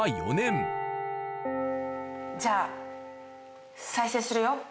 じゃあ再生するよ。